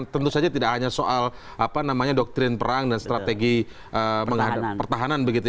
tentu saja tidak hanya soal doktrin perang dan strategi pertahanan begitu ya